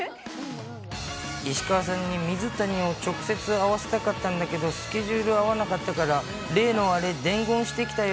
石川さんに水谷を直接あわせたかったんだけど、スケジュール合わなかったから、例のあれ、伝言してきたよ。